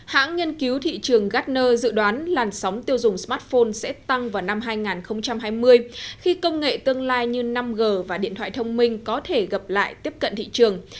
hãng nghiên cứu thị trường gartner dự đoán làn sóng tiêu dùng smartphone sẽ tăng vào năm hai nghìn hai mươi khi công nghệ tương lai như năm g và điện thoại thông minh có thể gặp lại tiếp cận thị trường